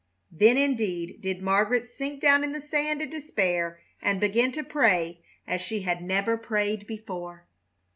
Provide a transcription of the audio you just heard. Then indeed did Margaret sink down in the sand in despair and begin to pray as she had never prayed before.